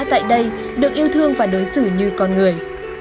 tại đây được yêu thương và đối xử như con người